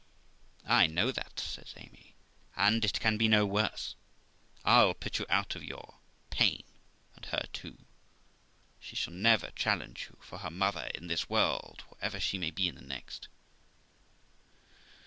'I know that', says Amy, 'and it can be no worse; I'll put you out of your pate, and her too? she shall never challenge you for her mother in this world, whatever she may in the next.'